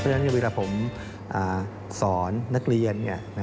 เพราะฉะนั้นเวลาผมสอนนักเรียน